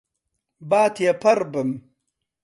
با تێپەڕبم.